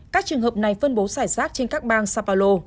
các trường hợp này phân bố xảy sát trên các bang sao paulo